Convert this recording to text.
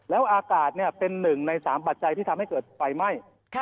แล้วอากาศเป็น๑ใน๓ปัจจัยที่ทำให้เกิดไฟไหม้